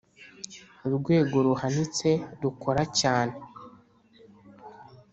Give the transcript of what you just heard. Urwego ruhanitse rukora cyane.